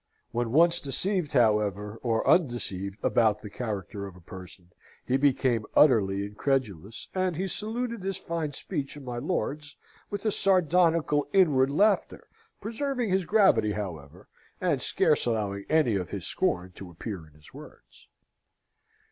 When once deceived, however, or undeceived about the character of a person, he became utterly incredulous, and he saluted this fine speech of my lord's with a sardonical, inward laughter, preserving his gravity, however, and scarce allowing any of his scorn to appear in his words.